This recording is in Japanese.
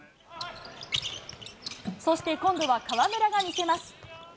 そして今度は河村が見せます。